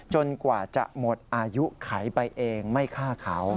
กว่าจะหมดอายุไขไปเองไม่ฆ่าเขา